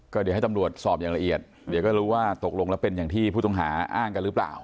ก็เดี๋ยวให้ตำรวจสอบอย่างละเอียดเดี๋ยวก็รู้ว่าตกลงแล้วเป็นอย่างที่ผู้ต้องหาอ้างกันหรือเปล่า